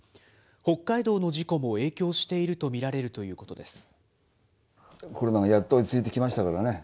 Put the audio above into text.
北海道の事故も影響していると見られるということです。